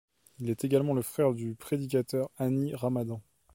Il est également le frère du prédicateur Hani Ramadan.